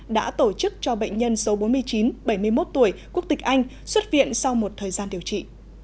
đã tổ chức cho bệnh nhân số bốn mươi chín bảy mươi một tuổi quốc tịch anh xuất viện sau một thời gian điều trị